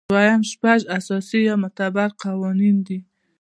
دوهم شپږ اساسي یا معتبر قوانین دي.